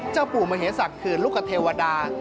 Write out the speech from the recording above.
เจ้าปู่มเหศักดิ์คือลูกเทวดา